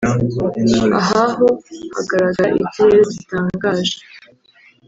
Ahaho hagaragara ikirere gitangaje